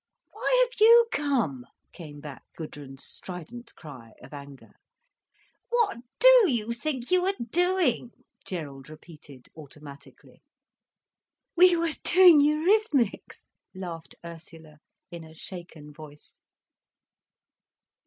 "Why have you come?" came back Gudrun's strident cry of anger. "What do you think you were doing?" Gerald repeated, automatically. "We were doing eurythmics," laughed Ursula, in a shaken voice.